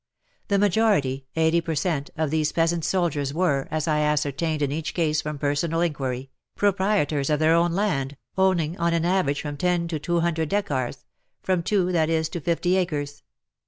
The majority — 80 per cent. — of these peasant soldiers were, as I ascertained in each case from personal inquiry, proprietors of their own land, owning on an average from 10 to 200 dekkars — from two, that is, to fifty acres.